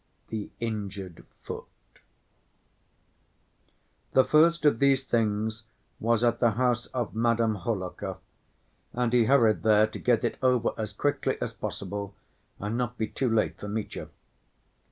The Injured Foot The first of these things was at the house of Madame Hohlakov, and he hurried there to get it over as quickly as possible and not be too late for Mitya.